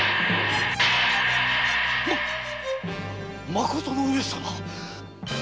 まことの上様！？